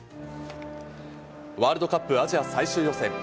ワールドカップアジア最終予選。